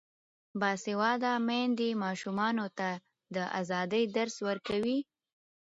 باسواده میندې ماشومانو ته د ازادۍ درس ورکوي.